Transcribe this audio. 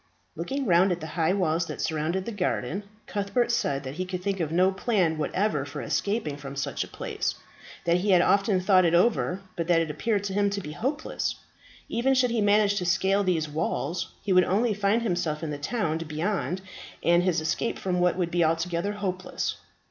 Looking round at the high walls that surrounded the garden, Cuthbert said that he could think of no plan whatever for escaping from such a place; that he had often thought it over, but that it appeared to him to be hopeless. Even should he manage to scale these walls, he would only find himself in the town beyond, and his escape from that would be altogether hopeless.